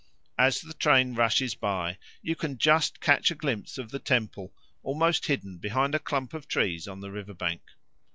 As the train rushes by, you can just catch a glimpse of the temple, almost hidden behind a clump of trees on the river bank.